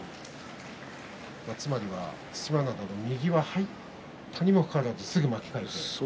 つまりは對馬洋の右は入ったにもかかわらずすぐ巻き替えて。